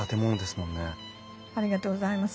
ありがとうございます。